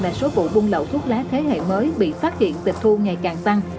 là số vụ buôn lậu thuốc lá thế hệ mới bị phát hiện tịch thu ngày càng tăng